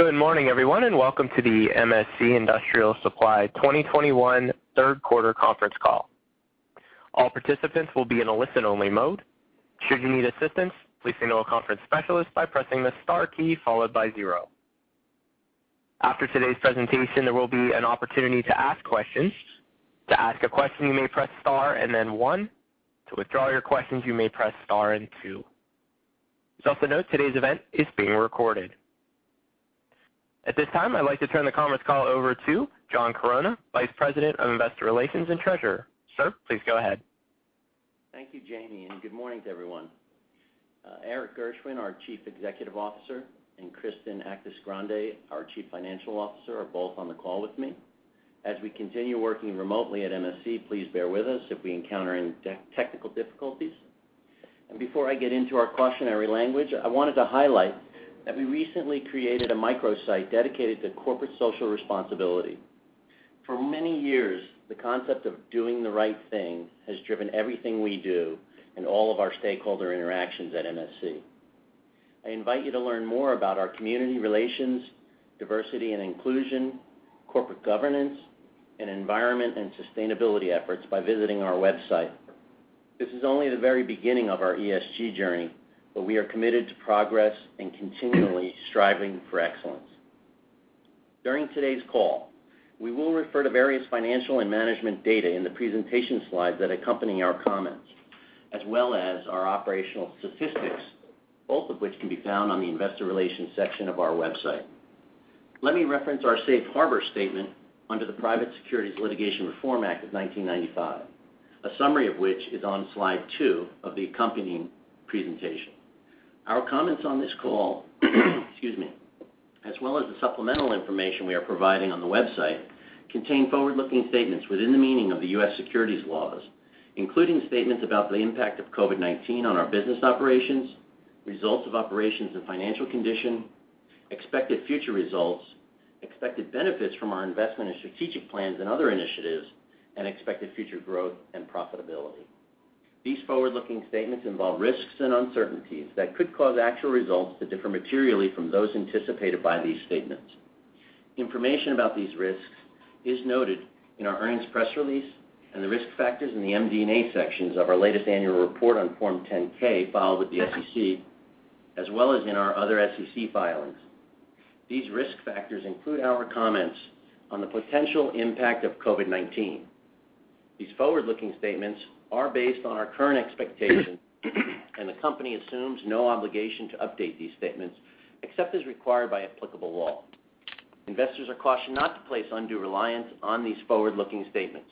Good morning, everyone, and welcome to the MSC Industrial Supply 2021 Third Quarter Conference Call. At this time, I'd like to turn the conference call over to John Chironna, Vice President of Investor Relations and Treasurer. Sir, please go ahead. Thank you, Jamie, and good morning to everyone. Erik Gershwind, our Chief Executive Officer, and Kristen Actis-Grande, our Chief Financial Officer, are both on the call with me. As we continue working remotely at MSC, please bear with us if we encounter any technical difficulties. Before I get into our cautionary language, I wanted to highlight that we recently created a microsite dedicated to corporate social responsibility. For many years, the concept of doing the right thing has driven everything we do and all of our stakeholder interactions at MSC. I invite you to learn more about our community relations, diversity and inclusion, corporate governance, and environment and sustainability efforts by visiting our website. This is only the very beginning of our ESG journey, but we are committed to progress and continually striving for excellence. During today's call, we will refer to various financial and management data in the presentation slides that accompany our comments, as well as our operational statistics, both of which can be found on the investor relations section of our website. Let me reference our safe harbor statement under the Private Securities Litigation Reform Act of 1995, a summary of which is on slide two of the accompanying presentation. Our comments on this call, excuse me, as well as the supplemental information we are providing on the website, contain forward-looking statements within the meaning of the US securities laws, including statements about the impact of COVID-19 on our business operations, results of operations and financial condition, expected future results, expected benefits from our investment and strategic plans and other initiatives, and expected future growth and profitability. These forward-looking statements involve risks and uncertainties that could cause actual results to differ materially from those anticipated by these statements. Information about these risks is noted in our earnings press release and the Risk Factors in the MD&A sections of our latest annual report on Form 10-K filed with the SEC, as well as in our other SEC filings. These risk factors include our comments on the potential impact of COVID-19. These forward-looking statements are based on our current expectations, and the company assumes no obligation to update these statements except as required by applicable law. Investors are cautioned not to place undue reliance on these forward-looking statements.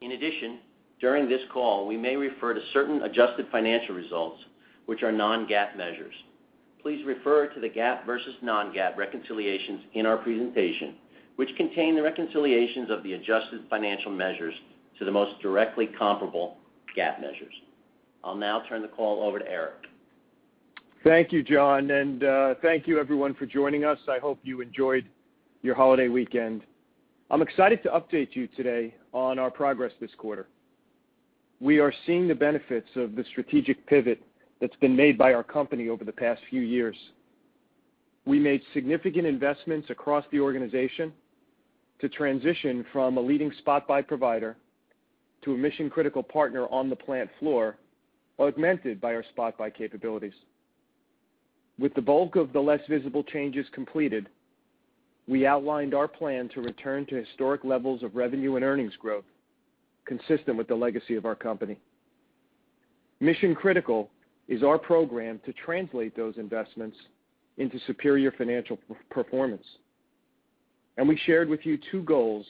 In addition, during this call, we may refer to certain adjusted financial results, which are non-GAAP measures. Please refer to the GAAP versus non-GAAP reconciliations in our presentation, which contain the reconciliations of the adjusted financial measures to the most directly comparable GAAP measures. I'll now turn the call over to Erik. Thank you, John, and thank you everyone for joining us. I hope you enjoyed your holiday weekend. I'm excited to update you today on our progress this quarter. We are seeing the benefits of the strategic pivot that's been made by our company over the past few years. We made significant investments across the organization to transition from a leading spot buy provider to a Mission Critical Partner on the plant floor, augmented by our spot buy capabilities. With the bulk of the less visible changes completed, we outlined our plan to return to historic levels of revenue and earnings growth consistent with the legacy of our company. Mission Critical is our program to translate those investments into superior financial performance. We shared with you two goals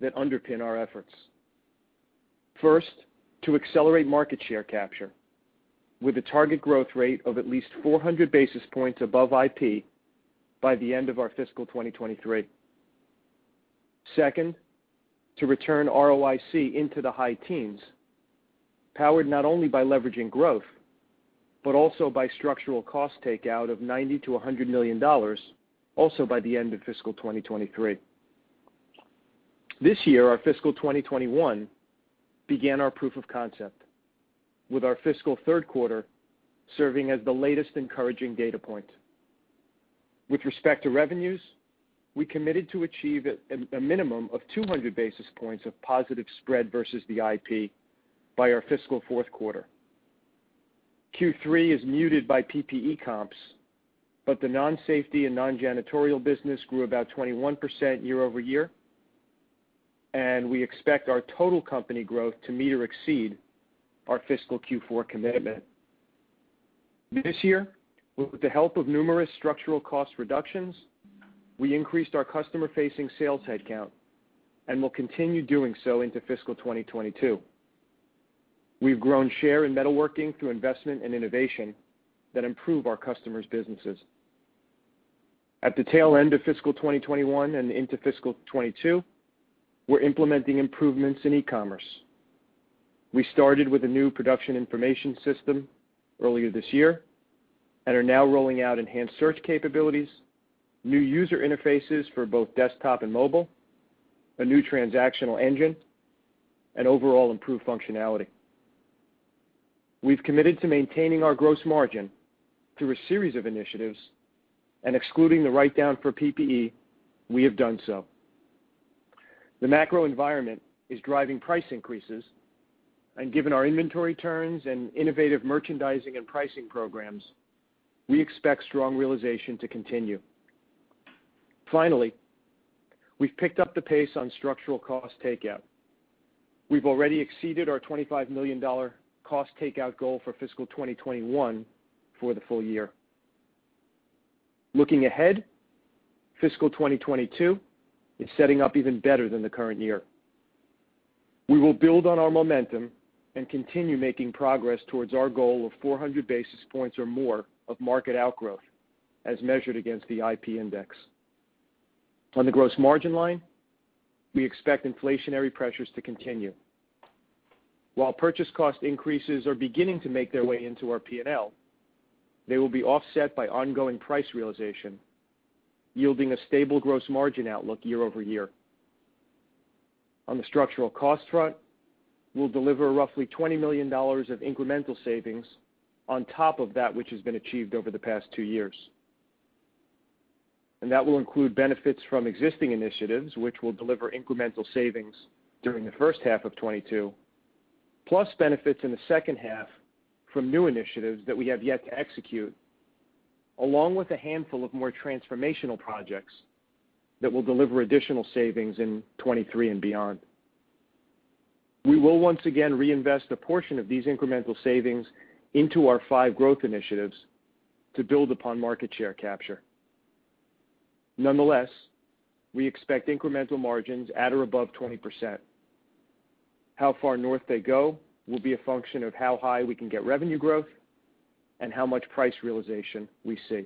that underpin our efforts. First, to accelerate market share capture with a target growth rate of at least 400 basis points above IP by the end of our fiscal 2023. Second, to return ROIC into the high teens, powered not only by leveraging growth, but also by structural cost takeout of $90 million-$100 million, also by the end of fiscal 2023. This year, our fiscal 2021 began our proof of concept, with our fiscal third quarter serving as the latest encouraging data point. With respect to revenues, we committed to achieve a minimum of 200 basis points of positive spread versus the IP by our fiscal fourth quarter. Q3 is muted by PPE comps, but the non-safety and non-janitorial business grew about 21% year-over-year, and we expect our total company growth to meet or exceed our fiscal Q4 commitment. This year, with the help of numerous structural cost reductions, we increased our customer-facing sales headcount and will continue doing so into fiscal 2022. We've grown share in metalworking through investment and innovation that improve our customers' businesses. At the tail end of fiscal 2021 and into fiscal 2022, we're implementing improvements in e-commerce. We started with a new production information system earlier this year and are now rolling out enhanced search capabilities, new user interfaces for both desktop and mobile, a new transactional engine, and overall improved functionality. We've committed to maintaining our gross margin through a series of initiatives, and excluding the write-down for PPE, we have done so. The macro environment is driving price increases, and given our inventory turns and innovative merchandising and pricing programs, we expect strong realization to continue. Finally, we've picked up the pace on structural cost takeout. We've already exceeded our $25 million cost takeout goal for fiscal 2021 for the full year. Looking ahead, fiscal 2022 is setting up even better than the current year. We will build on our momentum and continue making progress towards our goal of 400 basis points or more of market outgrowth as measured against the IP index. On the gross margin line, we expect inflationary pressures to continue. While purchase cost increases are beginning to make their way into our P&L, they will be offset by ongoing price realization, yielding a stable gross margin outlook year-over-year. On the structural cost front, we'll deliver roughly $20 million of incremental savings on top of that which has been achieved over the past two years. That will include benefits from existing initiatives, which will deliver incremental savings during the first half of 2022, plus benefits in the second half from new initiatives that we have yet to execute, along with a handful of more transformational projects that will deliver additional savings in 2023 and beyond. We will once again reinvest a portion of these incremental savings into our five growth initiatives to build upon market share capture. Nonetheless, we expect incremental margins at or above 20%. How far north they go will be a function of how high we can get revenue growth and how much price realization we see.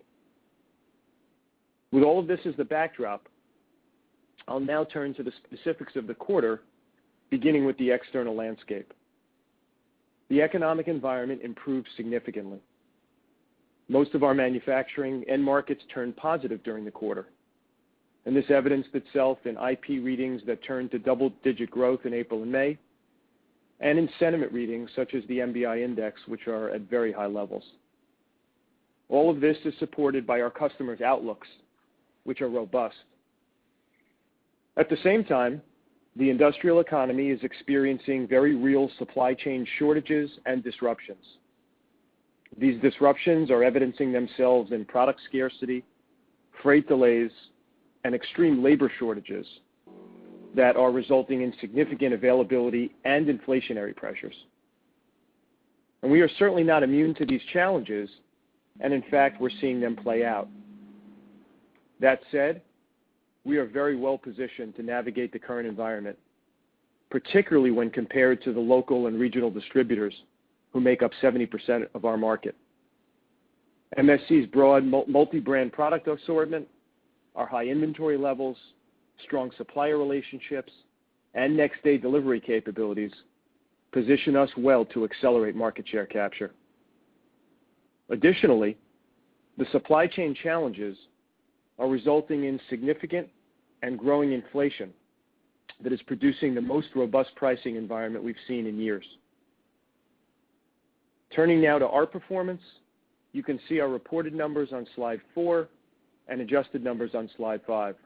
With all of this as the backdrop, I'll now turn to the specifics of the quarter, beginning with the external landscape. The economic environment improved significantly. Most of our manufacturing end markets turned positive during the quarter, and this evidenced itself in IP readings that turned to double-digit growth in April and May, and in sentiment readings such as the MBI Index, which are at very high levels. All of this is supported by our customers' outlooks, which are robust. At the same time, the industrial economy is experiencing very real supply chain shortages and disruptions. These disruptions are evidencing themselves in product scarcity, freight delays, and extreme labor shortages that are resulting in significant availability and inflationary pressures. We are certainly not immune to these challenges, and in fact, we're seeing them play out. That said, we are very well positioned to navigate the current environment, particularly when compared to the local and regional distributors who make up 70% of our market. MSC's broad multi-brand product assortment, our high inventory levels, strong supplier relationships, and next-day delivery capabilities position us well to accelerate market share capture. The supply chain challenges are resulting in significant and growing inflation that is producing the most robust pricing environment we've seen in years. Turning now to our performance, you can see our reported numbers on slide four and adjusted numbers on slide five.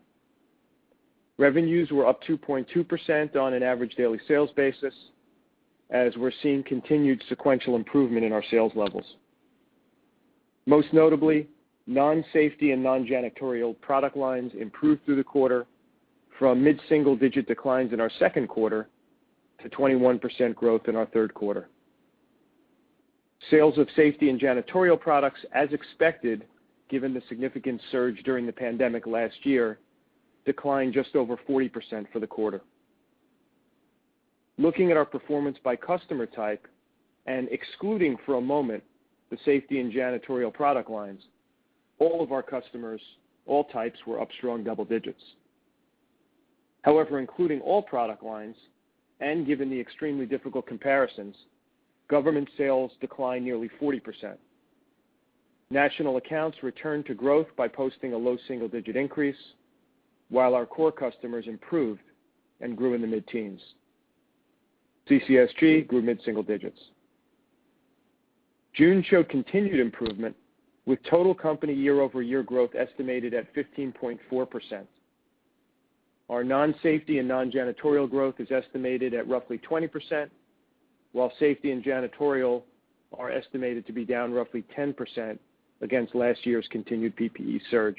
Revenues were up 2.2% on an average daily sales basis, as we're seeing continued sequential improvement in our sales levels. Most notably, non-safety and non-janitorial product lines improved through the quarter from mid-single digit declines in our second quarter to 21% growth in our third quarter. Sales of safety and janitorial products, as expected, given the significant surge during the pandemic last year, declined just over 40% for the quarter. Looking at our performance by customer type and excluding for a moment the safety and janitorial product lines, all of our customers, all types, were up strong double digits. Including all product lines and given the extremely difficult comparisons, government sales declined nearly 40%. National accounts returned to growth by posting a low single-digit increase while our core customers improved and grew in the mid-teens. CCSG grew mid-single digits. June showed continued improvement with total company year-over-year growth estimated at 15.4%. Our non-safety and non-janitorial growth is estimated at roughly 20%, while safety and janitorial are estimated to be down roughly 10% against last year's continued PPE surge.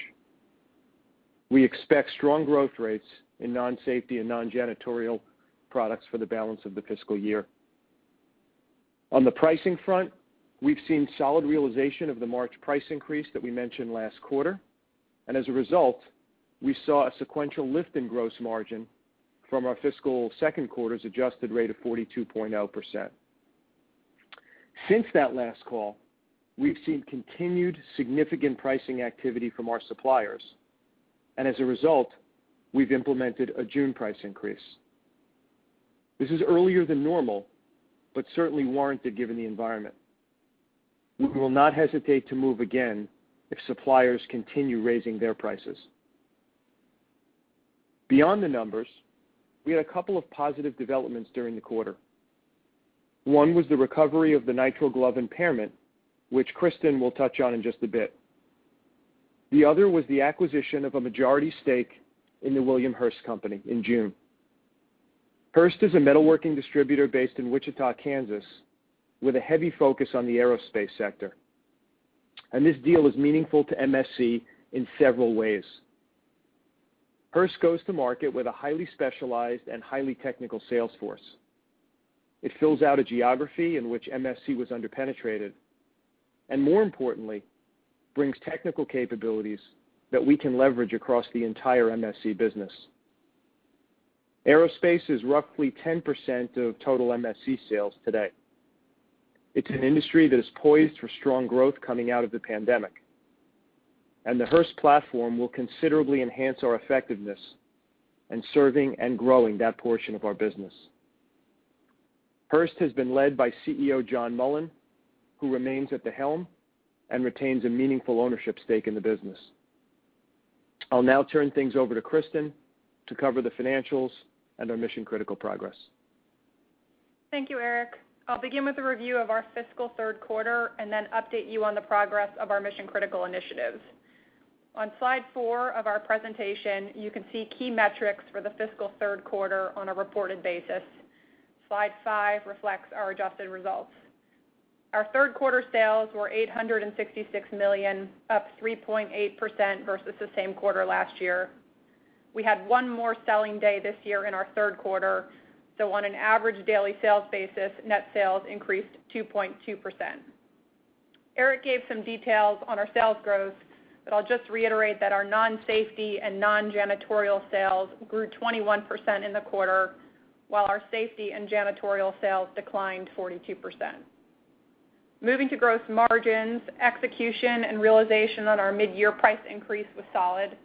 We expect strong growth rates in non-safety and non-janitorial products for the balance of the fiscal year. On the pricing front, we've seen solid realization of the March price increase that we mentioned last quarter, and as a result, we saw a sequential lift in gross margin from our fiscal second quarter's adjusted rate of 42.0%. Since that last call, we've seen continued significant pricing activity from our suppliers, and as a result, we've implemented a June price increase. This is earlier than normal, but certainly warranted given the environment. We will not hesitate to move again if suppliers continue raising their prices. Beyond the numbers, we had a couple of positive developments during the quarter. One was the recovery of the nitrile glove impairment, which Kristen will touch on in just a bit. The other was the acquisition of a majority stake in the William Hurst Company, in June. Hurst is a metalworking distributor based in Wichita, Kansas, with a heavy focus on the aerospace sector. This deal is meaningful to MSC in several ways. Hurst goes to market with a highly specialized and highly technical sales force. It fills out a geography in which MSC was under-penetrated, and more importantly, brings technical capabilities that we can leverage across the entire MSC business. aerospace is roughly 10% of total MSC sales today. It's an industry that is poised for strong growth coming out of the pandemic, and the Hurst platform will considerably enhance our effectiveness in serving and growing that portion of our business. Hurst has been led by CEO John Mullen, who remains at the helm and retains a meaningful ownership stake in the business. I'll now turn things over to Kristen to cover the financials and our Mission Critical progress. Thank you, Erik. I'll begin with a review of our fiscal third quarter and then update you on the progress of our Mission Critical initiatives. On slide four of our presentation, you can see key metrics for the fiscal third quarter on a reported basis. Slide five reflects our adjusted results. Our third quarter sales were $866 million, up 3.8% versus the same quarter last year. We had one more selling day this year in our third quarter, so on an average daily sales basis, net sales increased 2.2%. Erik gave some details on our sales growth, but I'll just reiterate that our non-safety and non-janitorial sales grew 21% in the quarter, while our safety and janitorial sales declined 42%. Moving to gross margins, execution, and realization on our mid-year price increase was solid.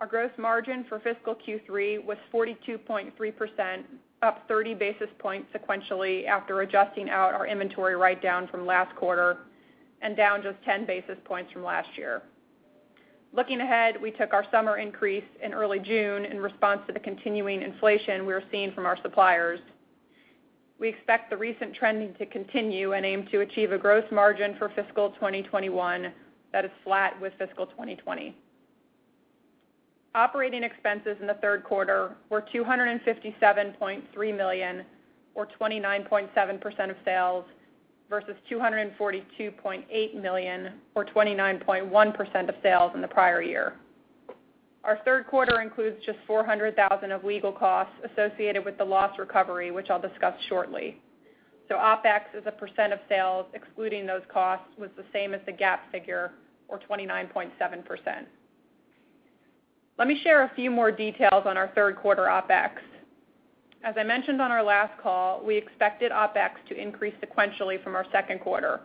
Our gross margin for fiscal Q3 was 42.3%, up 30 basis points sequentially after adjusting out our inventory write-down from last quarter, and down just 10 basis points from last year. Looking ahead, we took our summer increase in early June in response to the continuing inflation we are seeing from our suppliers. We expect the recent trending to continue and aim to achieve a gross margin for fiscal 2021 that is flat with fiscal 2020. Operating expenses in the third quarter were $257.3 million or 29.7% of sales versus $242.8 million or 29.1% of sales in the prior year. Our third quarter includes just $400,000 of legal costs associated with the loss recovery, which I'll discuss shortly. OpEx as a percent of sales, excluding those costs, was the same as the GAAP figure or 29.7%. Let me share a few more details on our third quarter OpEx. As I mentioned on our last call, we expected OpEx to increase sequentially from our second quarter,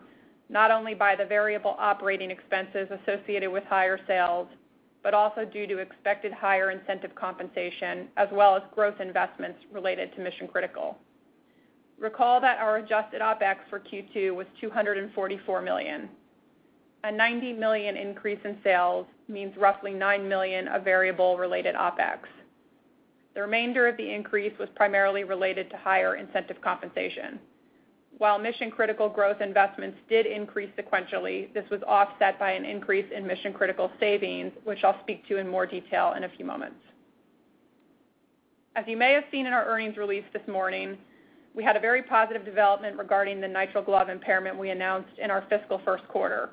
not only by the variable operating expenses associated with higher sales, but also due to expected higher incentive compensation as well as growth investments related to Mission Critical. Recall that our adjusted OpEx for Q2 was $244 million. A $90 million increase in sales means roughly $9 million of variable related OpEx. The remainder of the increase was primarily related to higher incentive compensation. While Mission Critical growth investments did increase sequentially, this was offset by an increase in Mission Critical savings, which I'll speak to in more detail in a few moments. As you may have seen in our earnings release this morning, we had a very positive development regarding the nitrile glove impairment we announced in our fiscal first quarter.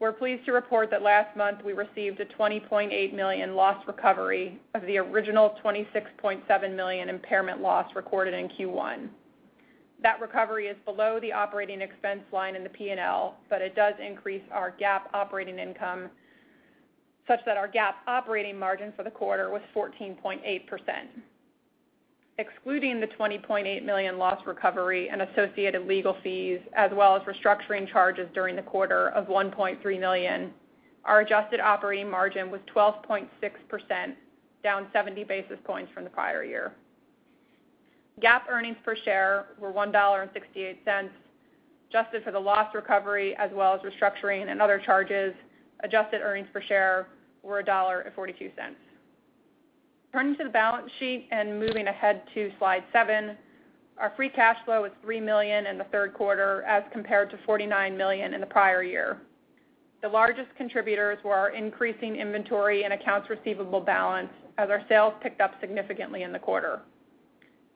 We're pleased to report that last month we received a $20.8 million loss recovery of the original $26.7 million impairment loss recorded in Q1. That recovery is below the operating expense line in the P&L, but it does increase our GAAP operating income such that our GAAP operating margin for the quarter was 14.8%. Excluding the $20.8 million loss recovery and associated legal fees as well as restructuring charges during the quarter of $1.3 million, our adjusted operating margin was 12.6%, down 70 basis points from the prior year. GAAP earnings per share were $1.68, adjusted for the loss recovery as well as restructuring and other charges, adjusted earnings per share were $1.42. Turning to the balance sheet and moving ahead to slide seven, our free cash flow was $3 million in the third quarter as compared to $49 million in the prior year. The largest contributors were our increasing inventory and accounts receivable balance as our sales picked up significantly in the quarter.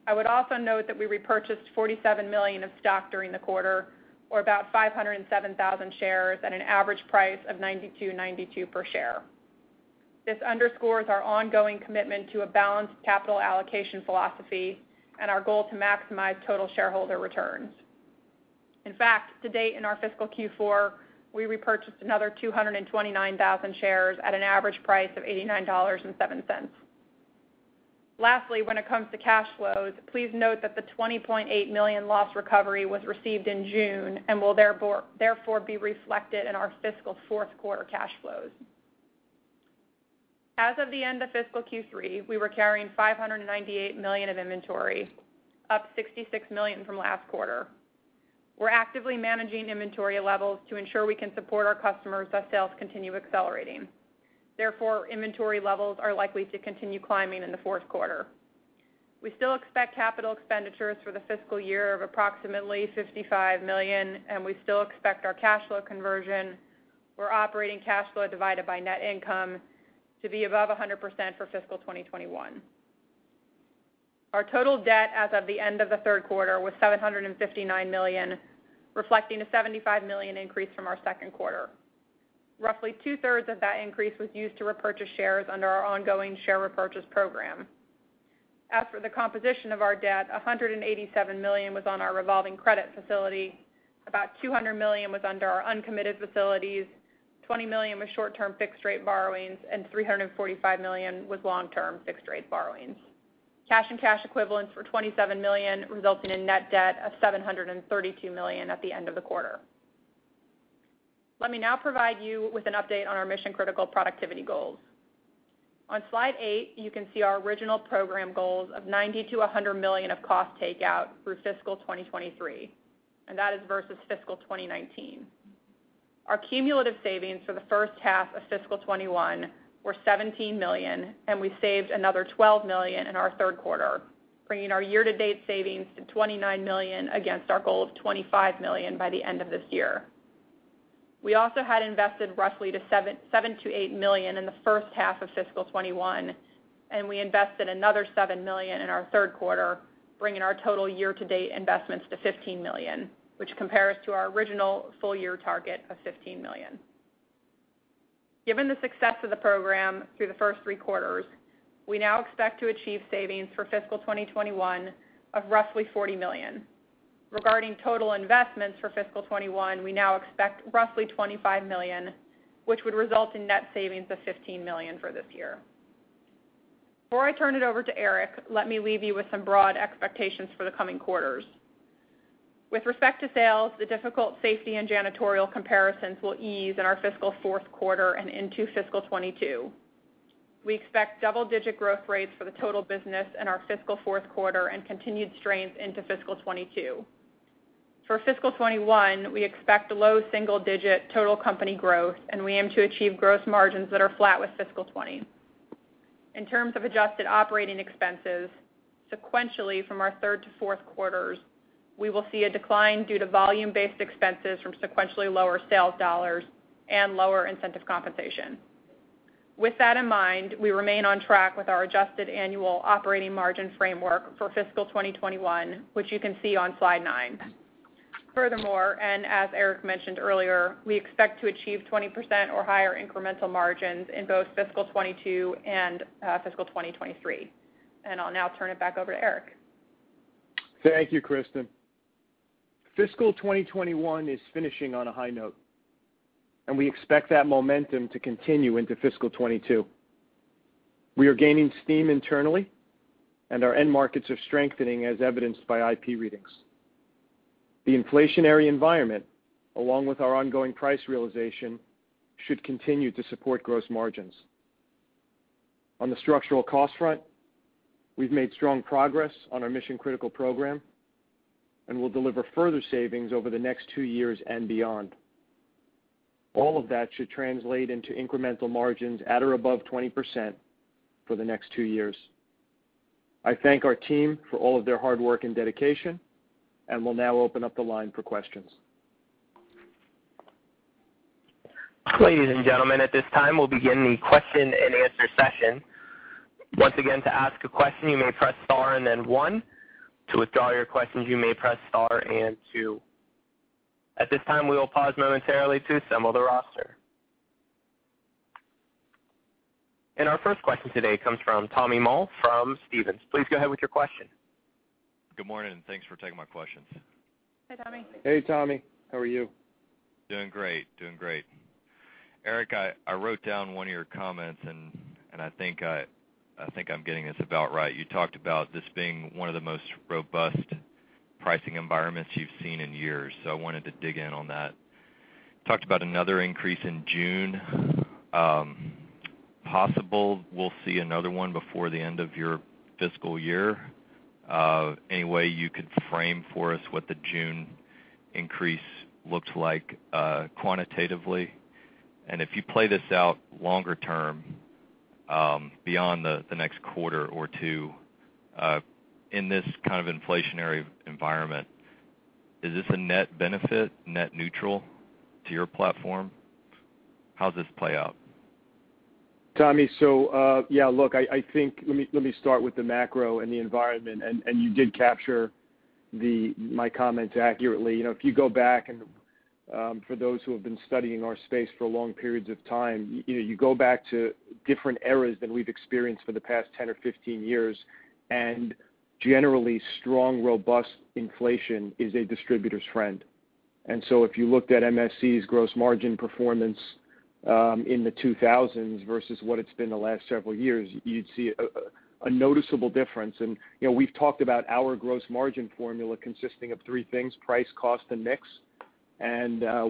I would also note that we repurchased $47 million of stock during the quarter, or about 507,000 shares at an average price of $92.92 per share. This underscores our ongoing commitment to a balanced capital allocation philosophy and our goal to maximize total shareholder returns. In fact, to date in our fiscal Q4, we repurchased another 229,000 shares at an average price of $89.07. Lastly, when it comes to cash flows, please note that the $20.8 million loss recovery was received in June and will therefore be reflected in our fiscal fourth quarter cash flows. As of the end of fiscal Q3, we were carrying $598 million of inventory, up $66 million from last quarter. We're actively managing inventory levels to ensure we can support our customers as sales continue accelerating. Therefore, inventory levels are likely to continue climbing in the fourth quarter. We still expect capital expenditures for the fiscal year of approximately $55 million, and we still expect our cash flow conversion for operating cash flow divided by net income to be above 100% for fiscal 2021. Our total debt as of the end of the third quarter was $759 million, reflecting a $75 million increase from our second quarter. Roughly 2/3 of that increase was used to repurchase shares under our ongoing share repurchase program. As for the composition of our debt, $187 million was on our revolving credit facility, about $200 million was under our uncommitted facilities, $20 million was short-term fixed-rate borrowings, and $345 million was long-term fixed-rate borrowings. Cash and cash equivalents were $27 million, resulting in net debt of $732 million at the end of the quarter. Let me now provide you with an update on our Mission Critical productivity goals. On slide eight, you can see our original program goals of $90 million-$100 million of cost takeout through fiscal 2023, and that is versus fiscal 2019. Our cumulative savings for the first half of fiscal 2021 were $17 million, and we saved another $12 million in our third quarter, bringing our year-to-date savings to $29 million against our goal of $25 million by the end of this year. We also had invested roughly $7 million-$8 million in the first half of fiscal 2021, and we invested another $7 million in our third quarter, bringing our total year-to-date investments to $15 million, which compares to our original full-year target of $15 million. Given the success of the program through the first three quarters, we now expect to achieve savings for fiscal 2021 of roughly $40 million. Regarding total investments for fiscal 2021, we now expect roughly $25 million, which would result in net savings of $15 million for this year. Before I turn it over to Erik, let me leave you with some broad expectations for the coming quarters. With respect to sales, the difficult safety and janitorial comparisons will ease in our fiscal fourth quarter and into fiscal 2022. We expect double-digit growth rates for the total business in our fiscal fourth quarter and continued strength into fiscal 2022. For fiscal 2021, we expect low single-digit total company growth, and we aim to achieve gross margins that are flat with fiscal 2020. In terms of adjusted operating expenses, sequentially from our third to fourth quarters, we will see a decline due to volume-based expenses from sequentially lower sales dollars and lower incentive compensation. With that in mind, we remain on track with our adjusted annual operating margin framework for fiscal 2021, which you can see on slide nine. Furthermore, and as Erik mentioned earlier, we expect to achieve 20% or higher incremental margins in both fiscal 2022 and fiscal 2023. I'll now turn it back over to Erik. Thank you, Kristen. Fiscal 2021 is finishing on a high note. We expect that momentum to continue into fiscal 2022. We are gaining steam internally. Our end markets are strengthening, as evidenced by IP readings. The inflationary environment, along with our ongoing price realization, should continue to support gross margins. On the structural cost front, we've made strong progress on our Mission Critical program. We'll deliver further savings over the next two years and beyond. All of that should translate into incremental margins at or above 20% for the next two years. I thank our team for all of their hard work and dedication. I will now open up the line for questions. Ladies and gentlemen, at this time, we'll begin the question-and-answer session. Once again, to ask a question, you may press star and then one. To withdraw your questions, you may press star and two. At this time, we will pause momentarily to assemble the roster. Our first question today comes from Tommy Moll from Stephens. Please go ahead with your question. Good morning. Thanks for taking my questions. Hey, Tommy. Hey, Tommy. How are you? Doing great. Erik, I wrote down one of your comments, and I think I'm getting this about right. You talked about this being one of the most robust pricing environments you've seen in years, so I wanted to dig in on that. You talked about another increase in June. Possible we'll see another one before the end of your fiscal year? Any way you could frame for us what the June increase looks like quantitatively? If you play this out longer term, beyond the next quarter or two in this kind of inflationary environment, is this a net benefit, net neutral to your platform? How does this play out? Tommy, so yeah, look, let me start with the macro and the environment, you did capture my comments accurately. If you go back, for those who have been studying our space for long periods of time, you go back to different eras that we've experienced for the past 10 or 15 years, generally strong, robust inflation is a distributor's friend. If you looked at MSC's gross margin performance in the 2000s versus what it's been the last several years, you'd see a noticeable difference. We've talked about our gross margin formula consisting of three things: price, cost, and mix.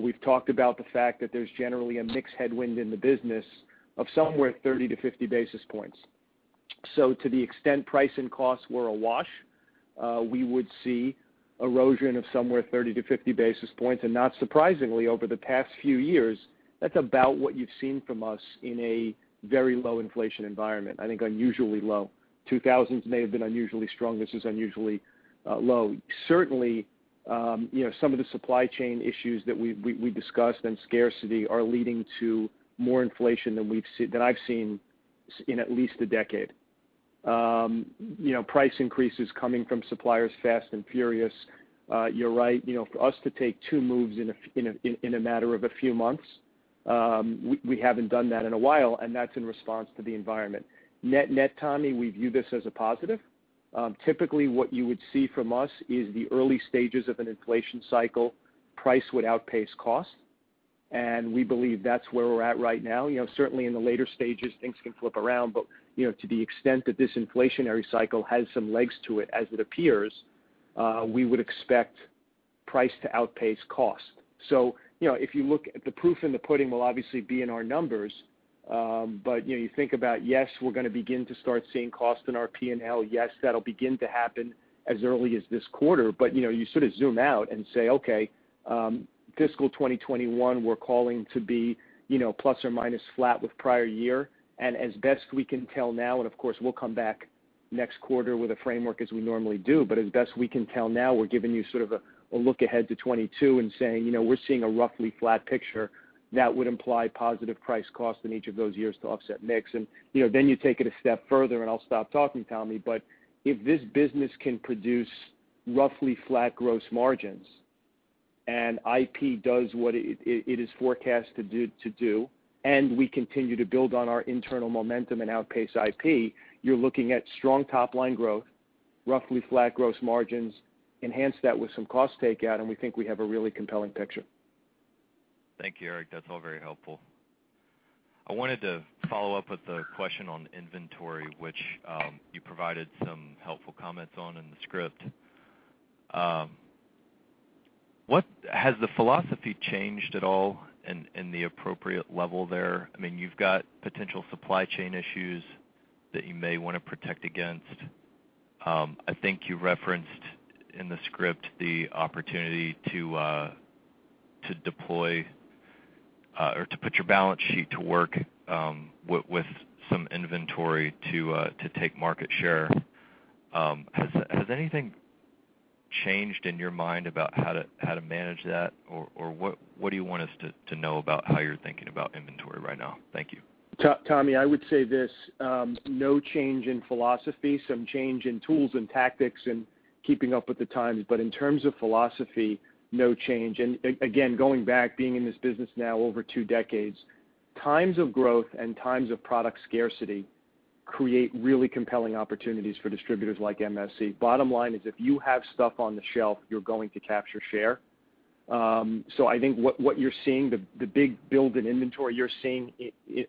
We've talked about the fact that there's generally a mix headwind in the business of somewhere 30-50 basis points. To the extent price and costs were a wash, we would see erosion of somewhere 30-50 basis points. Not surprisingly, over the past few years, that's about what you've seen from us in a very low inflation environment. I think unusually low. 2000s may have been unusually strong. This is unusually low. Certainly, some of the supply chain issues that we discussed and scarcity are leading to more inflation than I've seen in at least a decade. Price increases coming from suppliers fast and furious. You're right, for us to take two moves in a matter of a few months, we haven't done that in a while, and that's in response to the environment. Net, Tommy, we view this as a positive. Typically, what you would see from us is the early stages of an inflation cycle. Price would outpace cost, and we believe that's where we're at right now. Certainly in the later stages, things can flip around. To the extent that this inflationary cycle has some legs to it as it appears, we would expect price to outpace cost. The proof in the pudding will obviously be in our numbers. You think about, yes, we're going to begin to start seeing cost in our P&L. Yes, that'll begin to happen as early as this quarter. You sort of zoom out and say, okay, fiscal 2021, we're calling to be plus or minus flat with prior year. As best we can tell now, and of course, we'll come back next quarter with a framework as we normally do, but as best we can tell now, we're giving you sort of a look ahead to 2022 and saying, we're seeing a roughly flat picture. That would imply positive price cost in each of those years to offset mix. Then you take it a step further, and I'll stop talking, Tommy, but if this business can produce roughly flat gross margins, and IP does what it is forecast to do, and we continue to build on our internal momentum and outpace IP, you're looking at strong top-line growth, roughly flat gross margins, enhance that with some cost takeout, and we think we have a really compelling picture. Thank you, Erik. That's all very helpful. I wanted to follow up with a question on inventory, which you provided some helpful comments on in the script. Has the philosophy changed at all in the appropriate level there? You've got potential supply chain issues that you may want to protect against. I think you referenced in the script the opportunity to deploy or to put your balance sheet to work with some inventory to take market share. Has anything changed in your mind about how to manage that? Or what do you want us to know about how you're thinking about inventory right now? Thank you. Tommy, I would say this: no change in philosophy. Some change in tools and tactics and keeping up with the times. In terms of philosophy, no change. Again, going back, being in this business now over two decades, times of growth and times of product scarcity create really compelling opportunities for distributors like MSC. Bottom line is, if you have stuff on the shelf, you're going to capture share. I think what you're seeing, the big build in inventory you're seeing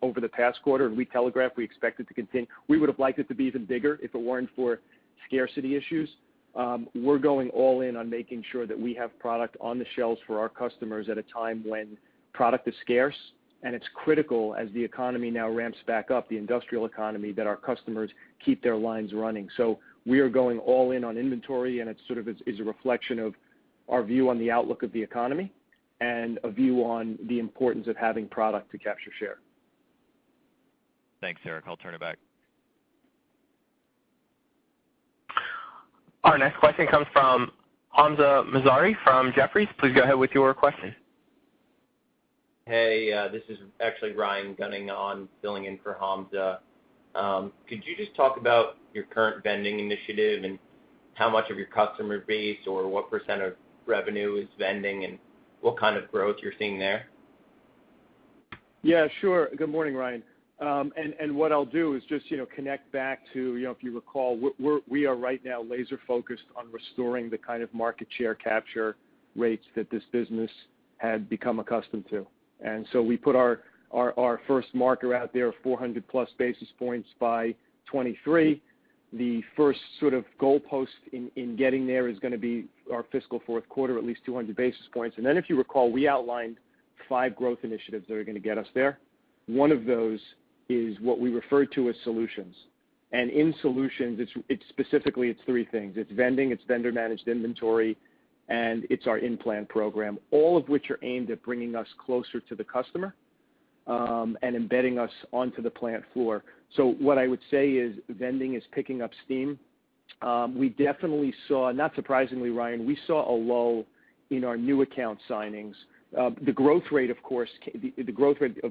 over the past quarter, and we telegraphed, we expect it to continue. We would've liked it to be even bigger if it weren't for scarcity issues. We're going all in on making sure that we have product on the shelves for our customers at a time when product is scarce. It's critical as the economy now ramps back up, the industrial economy, that our customers keep their lines running. We are going all in on inventory. It sort of is a reflection of our view on the outlook of the economy and a view on the importance of having product to capture share. Thanks, Erik. I'll turn it back. Our next question comes from Hamzah Mazari from Jefferies. Please go ahead with your question. Hey, this is actually Ryan Gunning on, filling in for Hamzah. Could you just talk about your current vending initiative and how much of your customer base or what % of revenue is vending, and what kind of growth you're seeing there? Yeah, sure. Good morning, Ryan. What I'll do is just connect back to, if you recall, we are right now laser-focused on restoring the kind of market share capture rates that this business had become accustomed to. We put our first marker out there of 400+ basis points by 2023. The first sort of goalpost in getting there is going to be our fiscal fourth quarter, at least 200 basis points. If you recall, we outlined five growth initiatives that are going to get us there. One of those is what we refer to as solutions. In solutions, specifically it's three things. It's vending, it's vendor-managed inventory, and it's our in-plant program, all of which are aimed at bringing us closer to the customer, and embedding us onto the plant floor. What I would say is vending is picking up steam. We definitely saw, not surprisingly, Ryan, we saw a lull in our new account signings. The growth rate of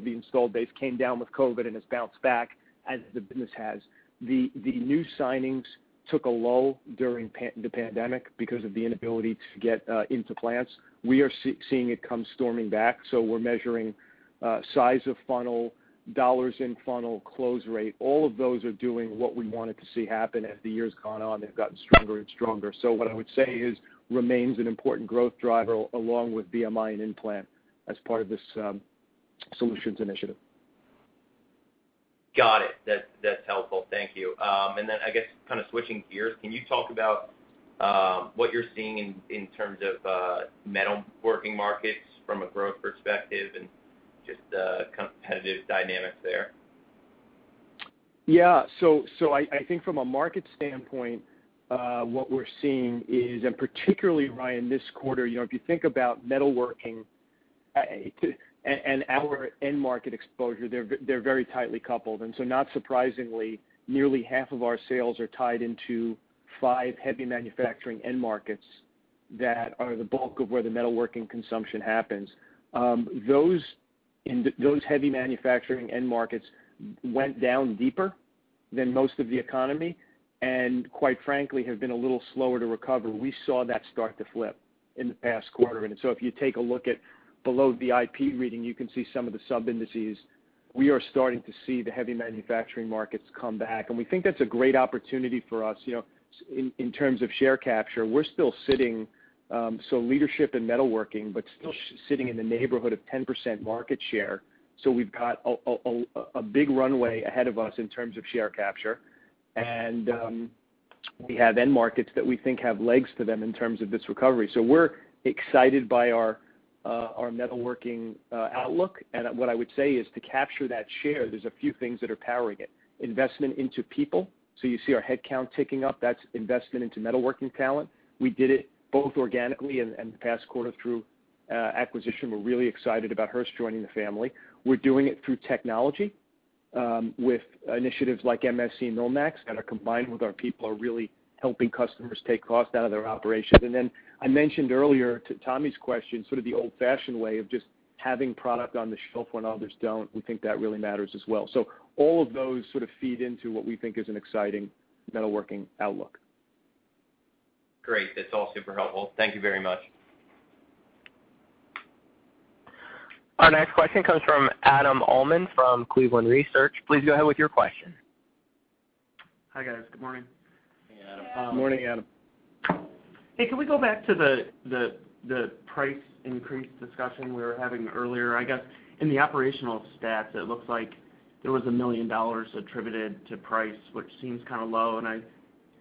the installed base came down with COVID and has bounced back as the business has. The new signings took a lull during the pandemic because of the inability to get into plants. We are seeing it come storming back, so we're measuring size of funnel, dollars in funnel, close rate. All of those are doing what we wanted to see happen. As the years gone on, they've gotten stronger and stronger. What I would say is, remains an important growth driver along with VMI and in-plant as part of this solutions initiative. Got it. That's helpful. Thank you. I guess kind of switching gears, can you talk about what you're seeing in terms of metalworking markets from a growth perspective and just the competitive dynamic there? Yeah. I think from a market standpoint, what we're seeing is, and particularly, Ryan, this quarter, if you think about metalworking and our end market exposure, they're very tightly coupled. Not surprisingly, nearly half of our sales are tied into five heavy manufacturing end markets that are the bulk of where the metalworking consumption happens. Those heavy manufacturing end markets went down deeper than most of the economy, and quite frankly, have been a little slower to recover. We saw that start to flip in the past quarter. If you take a look at below the IP reading, you can see some of the sub-indices. We are starting to see the heavy manufacturing markets come back, and we think that's a great opportunity for us. In terms of share capture, we're still sitting in leadership in metalworking, but still sitting in the neighborhood of 10% market share. We've got a big runway ahead of us in terms of share capture. We have end markets that we think have legs to them in terms of this recovery. We're excited by our metalworking outlook. What I would say is to capture that share, there's a few things that are powering it. Investment into people. You see our headcount ticking up. That's investment into metalworking talent. We did it both organically and in the past quarter through acquisition. We're really excited about Hurst joining the family. We're doing it through technology with initiatives like MSC MillMax that are combined with our people, are really helping customers take cost out of their operation. I mentioned earlier to Tommy's question, the old-fashioned way of just having product on the shelf when others don't, we think that really matters as well. All of those feed into what we think is an exciting metalworking outlook. Great. That's all super helpful. Thank you very much. Our next question comes from Adam Uhlman from Cleveland Research. Please go ahead with your question. Hi, guys. Good morning. Good morning, Adam. Hey, can we go back to the price increase discussion we were having earlier? I guess in the operational stats, it looks like there was $1 million attributed to price, which seems kind of low, and I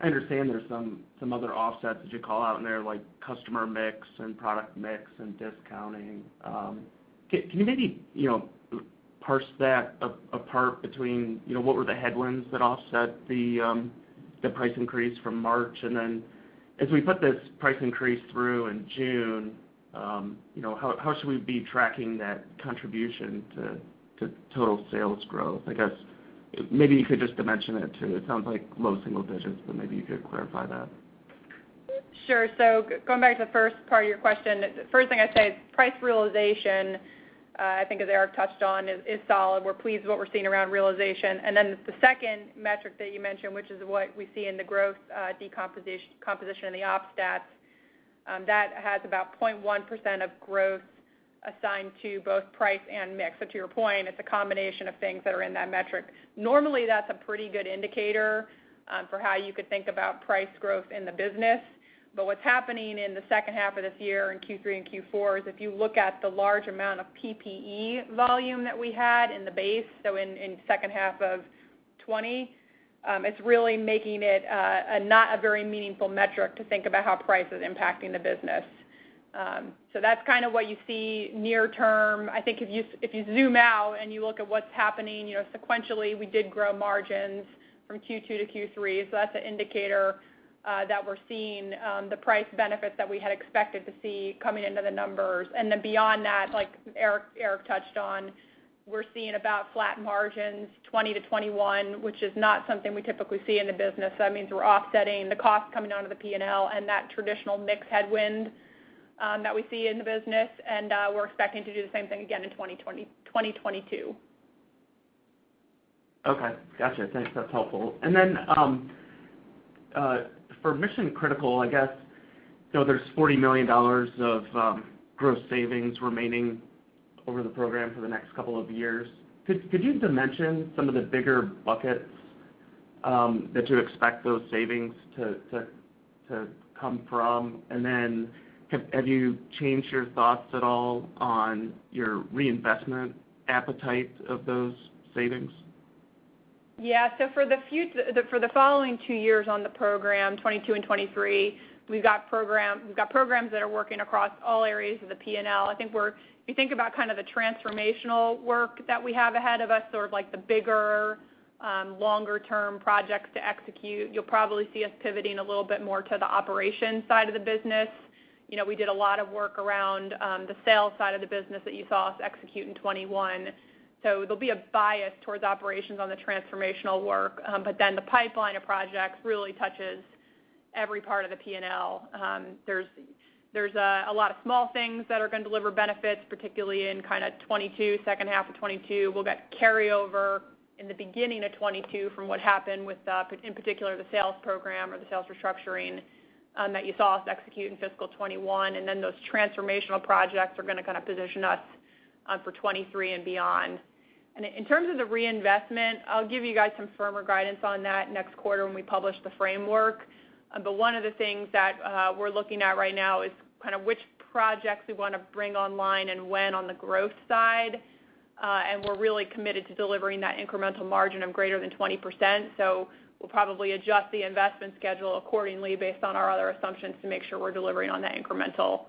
understand there's some other offsets that you call out in there, like customer mix and product mix and discounting. Can you maybe parse that apart between what were the headwinds that offset the price increase from March? As we put this price increase through in June, how should we be tracking that contribution to total sales growth? I guess maybe you could just dimension it too. It sounds like low single digits, but maybe you could clarify that. Sure. Going back to the first part of your question, the first thing I'd say is price realization, I think as Erik touched on, is solid. We're pleased with what we're seeing around realization. The second metric that you mentioned, which is what we see in the growth decomposition of the op stats, that has about 0.1% of growth assigned to both price and mix. To your point, it's a combination of things that are in that metric. Normally, that's a pretty good indicator for how you could think about price growth in the business. What's happening in the second half of this year, in Q3 and Q4, is if you look at the large amount of PPE volume that we had in the base, in the second half of 2020, it's really making it not a very meaningful metric to think about how price is impacting the business. That's what you see near term. I think if you zoom out and you look at what's happening sequentially, we did grow margins from Q2-Q3. That's an indicator that we're seeing the price benefits that we had expected to see coming into the numbers. Beyond that, like Erik touched on, we're seeing about flat margins 2020 to 2021, which is not something we typically see in the business. That means we're offsetting the cost coming out of the P&L and that traditional mix headwind that we see in the business, and we're expecting to do the same thing again in 2022. Okay. Got you. Thanks. That's helpful. For Mission Critical, I guess there's $40 million of gross savings remaining over the program for the next couple of years. Could you dimension some of the bigger buckets that you expect those savings to come from? Have you changed your thoughts at all on your reinvestment appetite of those savings? For the following two years on the program, 2022 and 2023, we've got programs that are working across all areas of the P&L. I think if you think about the transformational work that we have ahead of us, it's like the bigger, longer term projects to execute. You'll probably see us pivoting a little bit more to the operations side of the business. We did a lot of work around the sales side of the business that you saw us execute in 2021. There'll be a bias towards operations on the transformational work. The pipeline of projects really touches every part of the P&L. There's a lot of small things that are going to deliver benefits, particularly in kind of 2022, second half of 2022. We'll get carryover in the beginning of 2022 from what happened with, in particular, the sales program or the sales restructuring that you saw us execute in fiscal 2021, and then those transformational projects are going to position us for 2023 and beyond. In terms of the reinvestment, I'll give you guys some firmer guidance on that next quarter when we publish the framework. One of the things that we're looking at right now is kind of which projects we want to bring online and when on the growth side. We're really committed to delivering that incremental margin of greater than 20%, so we'll probably adjust the investment schedule accordingly based on our other assumptions to make sure we're delivering on the incremental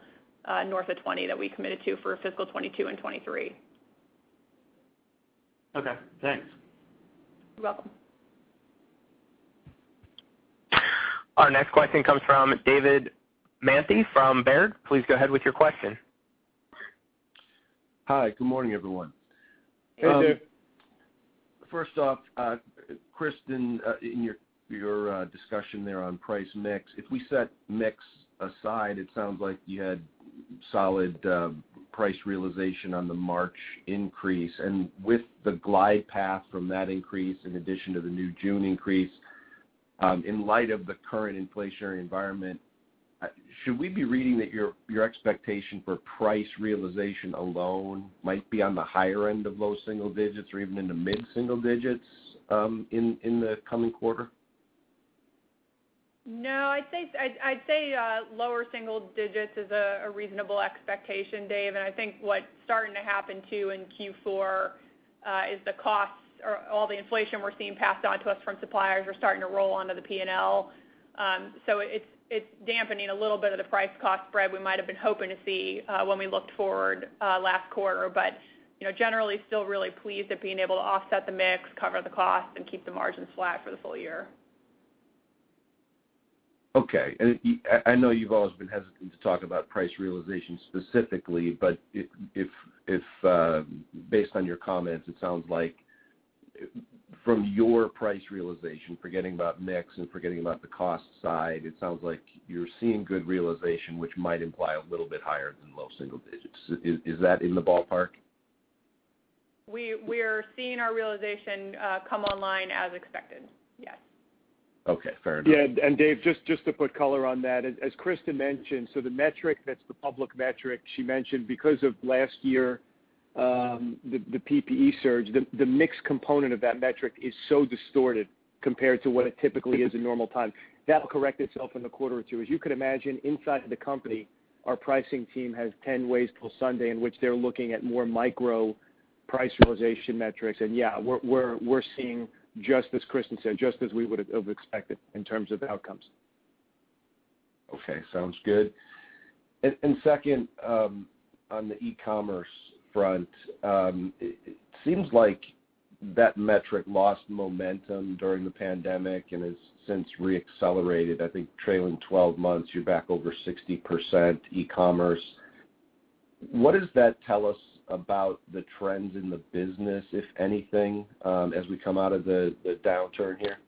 north of 20% that we committed to for fiscal 2022 and 2023. Okay, thanks. You're welcome. Our next question comes from David Manthey from Baird. Please go ahead with your question. Hi, good morning, everyone. Hey, Dave. First off, Kristen, in your discussion there on price mix, if we set mix aside, it sounds like you had solid price realization on the March increase. With the glide path from that increase, in addition to the new June increase, in light of the current inflationary environment, should we be reading that your expectation for price realization alone might be on the higher end of low single digits or even into mid single digits in the coming quarter? No, I'd say lower single digits is a reasonable expectation, Dave. I think what's starting to happen too in Q4 is all the inflation we're seeing passed on to us from suppliers are starting to roll onto the P&L. It's dampening a little bit of the price-cost spread we might've been hoping to see when we look toward last quarter. Generally still really pleased at being able to offset the mix, cover the cost, and keep the margins flat for the full year. Okay. I know you've always been hesitant to talk about price realization specifically, but based on your comments, from your price realization, forgetting about mix and forgetting about the cost side, it sounds like you're seeing good realization, which might imply a little bit higher than low single digits. Is that in the ballpark? We are seeing our realization come online as expected. Yes. Okay, fair enough. Yeah. And Dave, just to put color on that, as Kristen mentioned, the metric that's the public metric she mentioned, because of last year, the PPE surge, the mix component of that metric is so distorted compared to what it typically is in normal times. That'll correct itself in a quarter or two. As you can imagine, inside of the company, our pricing team has 10 ways till Sunday in which they're looking at more micro price realization metrics. Yeah, we're seeing just as Kristen said, just as we would've expected in terms of outcomes. Okay, sounds good. Second, on the e-commerce front, it seems like that metric lost momentum during the pandemic and has since re-accelerated. I think trailing 12 months, you're back over 60% e-commerce. What does that tell us about the trends in the business, if anything, as we come out of the downturn here?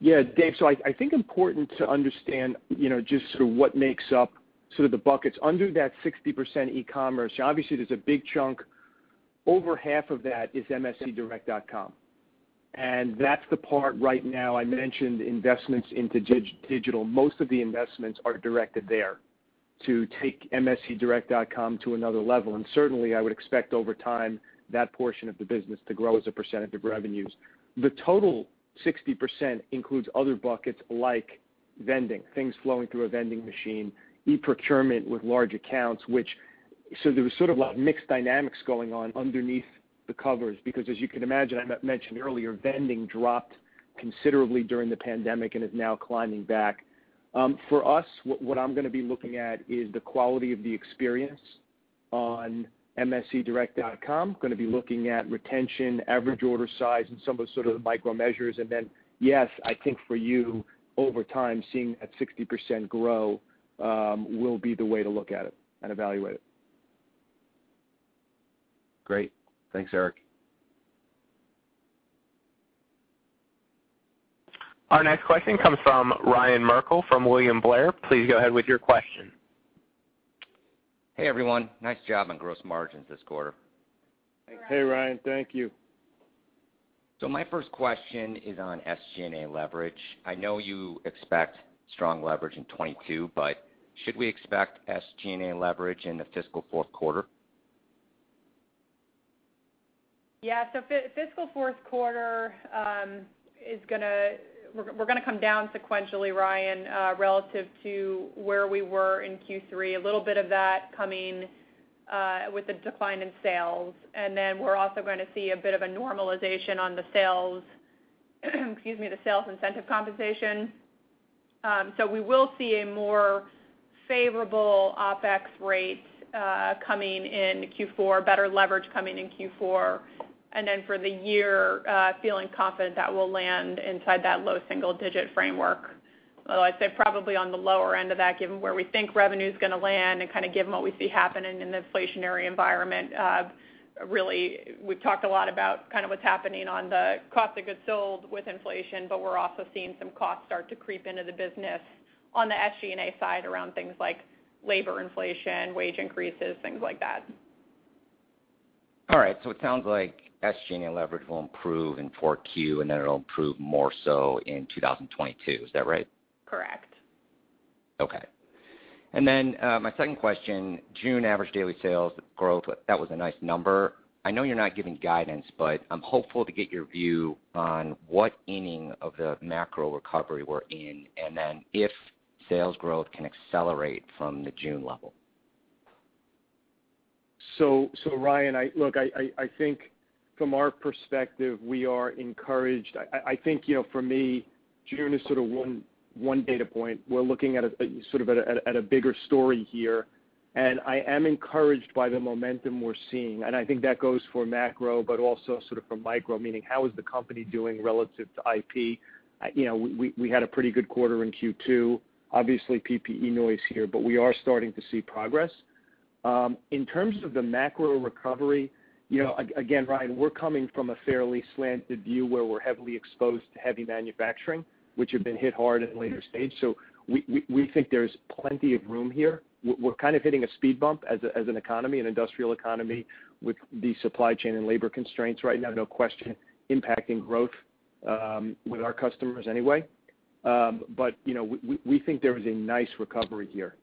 Yeah, Dave, I think important to understand just sort of what makes up the buckets. Under that 60% e-commerce, obviously there's a big chunk. Over half of that is mscdirect.com. That's the part right now I mentioned investments into digital. Most of the investments are directed there to take mscdirect.com to another level. Certainly I would expect over time that portion of the business to grow as a percentage of revenues. The total 60% includes other buckets like vending, things flowing through a vending machine, e-procurement with large accounts. There was sort of a lot of mixed dynamics going on underneath the covers because as you can imagine, I mentioned earlier, vending dropped considerably during the pandemic and is now climbing back. For us, what I'm going to be looking at is the quality of the experience on mscdirect.com. Going to be looking at retention, average order size, and some of the micro measures. Yes, I think for you over time, seeing that 60% grow will be the way to look at it and evaluate it. Great. Thanks, Erik. Our next question comes from Ryan Merkel from William Blair. Please go ahead with your question. Hey, everyone. Nice job on gross margins this quarter. Hey, Ryan. Thank you. My first question is on SG&A leverage. I know you expect strong leverage in 2022, but should we expect SG&A leverage in the fiscal fourth quarter? Yeah. Fiscal fourth quarter, we're going to come down sequentially, Ryan, relative to where we were in Q3. A little bit of that coming with a decline in sales. We're also going to see a bit of a normalization on the sales incentive compensation. We will see a more favorable OpEx rate coming in Q4, better leverage coming in Q4. For the year, feeling confident that we'll land inside that low single digit framework. Like I said, probably on the lower end of that given where we think revenue's going to land and given what we see happening in the inflationary environment. We've talked a lot about what's happening on the cost of goods sold with inflation, we're also seeing some costs start to creep into the business on the SG&A side around things like labor inflation, wage increases, things like that. All right. It sounds like SG&A leverage will improve in 4Q and then it'll improve more so in 2022. Is that right? Correct. Okay. My second question, June average daily sales growth, that was a nice number. I know you're not giving guidance, but I'm hopeful to get your view on what inning of the macro recovery we're in, and then if sales growth can accelerate from the June level? Ryan, look, I think from our perspective, we are encouraged. I think for me, June is one data point. We're looking at a bigger story here. I am encouraged by the momentum we're seeing. I think that goes for macro, but also sort of for micro, meaning how is the company doing relative to IP? We had a pretty good quarter in Q2, obviously PPE noise here, but we are starting to see progress. In terms of the macro recovery, again, Ryan, we're coming from a fairly slanted view where we're heavily exposed to heavy manufacturing, which have been hit hard in later stage. We think there's plenty of room here. We're kind of hitting a speed bump as an economy, an industrial economy with the supply chain and labor constraints right now, no question, impacting growth, with our customers anyway. We think there's a nice recovery here,